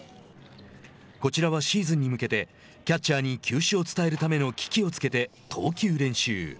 こちらはシーズンに向けてキャッチャーに球種を伝えるための機器をつけて投球練習。